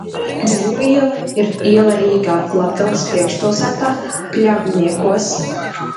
Dzeņu iela ir iela Rīgā, Latgales priekšpilsētā, Pļavniekos.